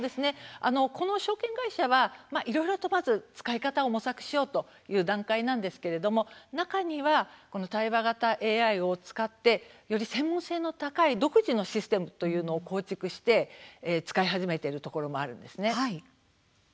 この証券会社はいろいろとまず使い方を模索しようという段階なんですけれども中にはこの対話型ＡＩを使って専門性の高い独自のシステムを構築して使い始めているところもあるんです。